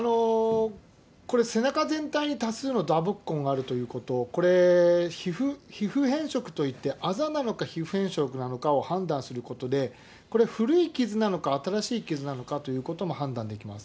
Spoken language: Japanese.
これ、背中全体に多数の打撲痕があるということ、これ、皮膚変色といって、あざなのか皮膚変色なのか判断することで、これ、古い傷なのか、新しい傷なのかということも判断できます。